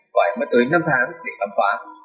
phải mất tới năm tháng để làm phá